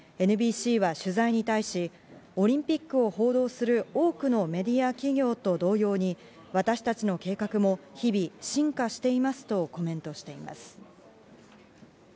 ＮＢＣは取材に対し、オリンピックを報道する多くのメディア企業と同様に、私たちの計画も日々進化していますとコメントしています。